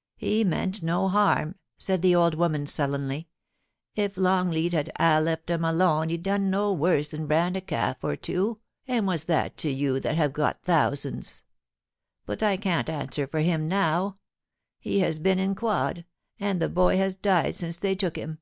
* He meant no harm,' said the old woman, sullenly. * If Longleat had ha' left him alone he'd a done no worse than brand a calf or two, and what's that to you that have got thousands ? But I can't answer for him now. He has been in quod, and the boy has died since they took him.